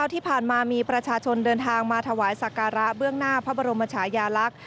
ที่ผ่านมามีประชาชนเดินทางมาถวายสักการะเบื้องหน้าพระบรมชายาลักษณ์